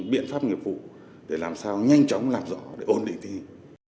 và các biện pháp nghiệp vụ để làm sao nhanh chóng làm rõ để ổn định tình hình